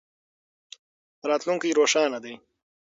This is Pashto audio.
راتلونکی روښانه دی.